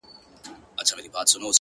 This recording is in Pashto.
!د عدالت په انتظار٫